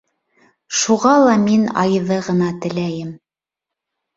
Шуға ла мин Айҙы ғына теләйем.